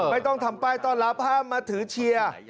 ไม่ต้องทำป้ายต้อนรับห้ามมาถือเชียร์